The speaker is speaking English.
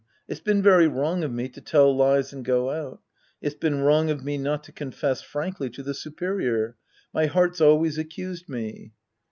It's been very wrong of me to tell lies and go out. It's been wrong of me not to confess frankly to the superior. My heart's always accused me.